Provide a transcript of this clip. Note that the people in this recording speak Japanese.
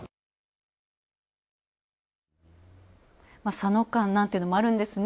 さの缶なんていうのもあるんですね。